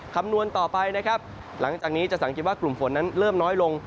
คำนวณต่อไปนะครับหลังจากนี้จะสังเกตว่ากลุ่มฝนนั้นเริ่มน้อยลง